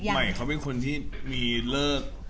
ใหม่เขาเป็นคนที่มีเลิก